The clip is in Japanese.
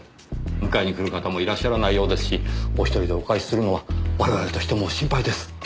迎えに来る方もいらっしゃらないようですしお１人でお帰しするのは我々としても心配です。